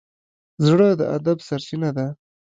زړه د ادب سرچینه ده.